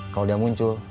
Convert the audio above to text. kalau dia muncul